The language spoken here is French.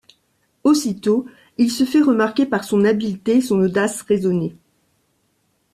Aussitôt, il se fait remarquer par son habileté et son audace raisonnée.